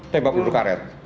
tembak peluru karet